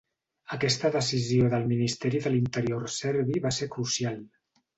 Aquesta decisió del Ministeri de l'Interior serbi va ser crucial.